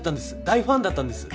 大ファンだったんです。